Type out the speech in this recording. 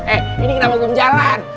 eh ini kenapa belum jalan